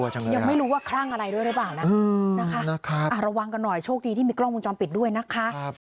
ช่วงดีที่มีกล้องมูลจอมปิดด้วยนะครับ